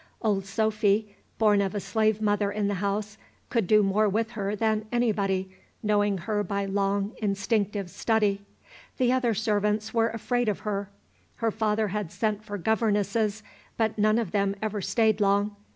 Old Sophy, born of a slave mother in the house, could do more with her than anybody, knowing her by long instinctive study. The other servants were afraid of her. Her father had sent for governesses, but none of them ever stayed long.